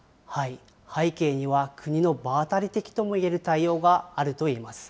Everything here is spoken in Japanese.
背景には国の場当たり的ともいえる対応があるといえます。